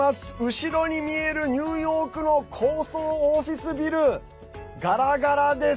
後ろに見えるニューヨークの高層オフィスビルガラガラです。